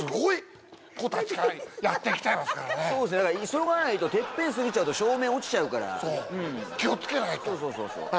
急がないとテッペン過ぎちゃうと照明落ちちゃうから気をつけないとうんそうそうそうそう